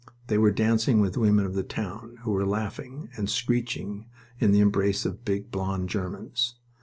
They were dancing with women of the town, who were laughing and screeching in the embrace of big, blond Germans.